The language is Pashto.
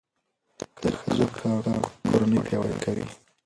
د ښځو کار کورنۍ پیاوړې کوي.